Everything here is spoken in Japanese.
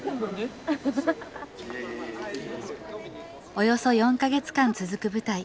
およそ４か月間続く舞台。